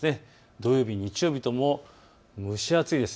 土曜日、日曜日とも蒸し暑いです。